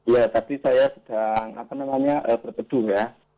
ya tadi saya sedang apa namanya berpedung ya